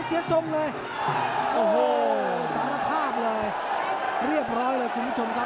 ติดตามยังน้อยกว่า